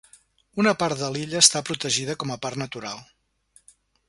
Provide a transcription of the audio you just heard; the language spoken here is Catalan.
Una part de l'illa està protegida com a parc natural.